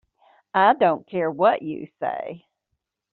I don't care what you say.